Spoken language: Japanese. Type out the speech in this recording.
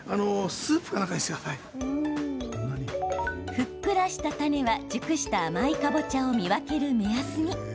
ふっくらした種は、熟した甘いかぼちゃを見分ける目安に。